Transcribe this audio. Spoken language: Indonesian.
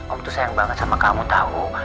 om tuh sayang banget sama kamu tahu